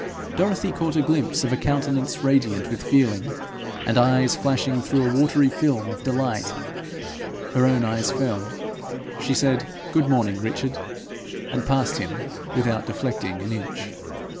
Dorothy caught a glimpse of a countenance radiant with feeling, and eyes flashing through a watery film of delight; her own eyes fell; she said, 'Good morning, Richard!' and passed him without deflecting an inch.